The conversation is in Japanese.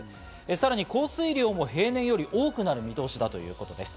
さらに降水量も平年より多くなる見通しだということです。